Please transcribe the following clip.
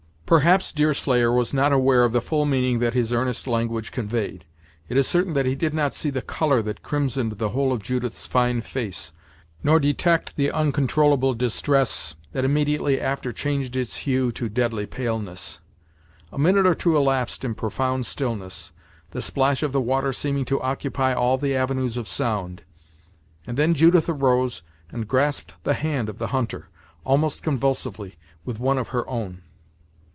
Perhaps Deerslayer was not aware of the full meaning that his earnest language conveyed. It is certain that he did not see the color that crimsoned the whole of Judith's fine face, nor detect the uncontrollable distress that immediately after changed its hue to deadly paleness. A minute or two elapsed in profound stillness, the splash of the water seeming to occupy all the avenues of sound; and then Judith arose, and grasped the hand of the hunter, almost convulsively, with one of her own.